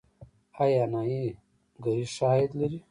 آیا نایي ګري ښه عاید لري؟